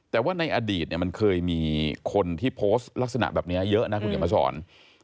แต่ว่าในอดีตเนี่ยมันเคยมีคนที่โพสต์ลักษณะแบบนี้เยอะนะคุณเดี๋ยวมาสอน